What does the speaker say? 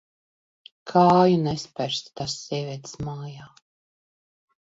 Kāju nespersi tās sievietes mājā.